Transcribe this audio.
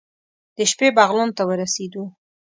د شپې بغلان ته ورسېدو.